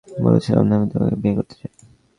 বলেছিলাম না, আমি তোমাকে বিয়ে করতে চাই।